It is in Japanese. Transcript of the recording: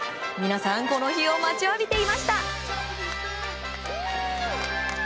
皆さんこの日を待ちわびていました。